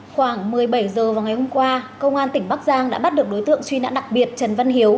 khoảng một mươi bảy h vào ngày hôm qua công an tỉnh bắc giang đã bắt được đối tượng truy nã đặc biệt trần văn hiếu